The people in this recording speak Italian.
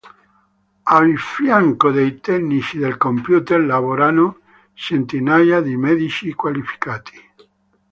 A fianco dei tecnici del computer lavorano centinaia di medici qualificati.